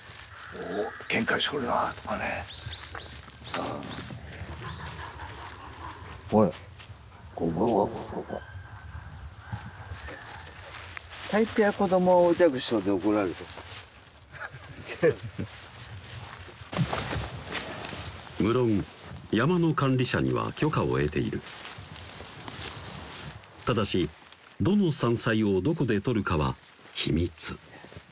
うん・・ほれゴゴゴゴゴ無論山の管理者には許可を得ているただしどの山菜をどこで採るかは秘密